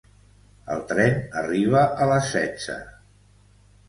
El tren arriba a les setze.